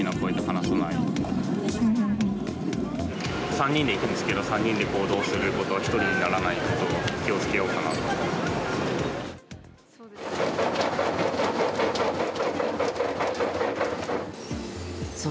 ３人で行くんですけど３人で行動する時は１人にならないように気を付けようかなと。